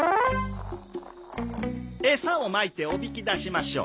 エサをまいておびき出しましょう。